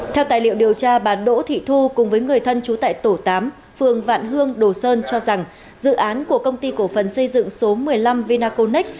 theo tài liệu điều tra bà đỗ thị thu cùng với người thân chú tại tổ tám phường vạn hương đồ sơn cho rằng dự án của công ty cổ phần xây dựng số một mươi năm vinaconex